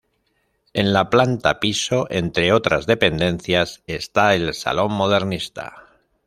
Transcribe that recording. En la planta piso, entre otras dependencias, está el salón modernista.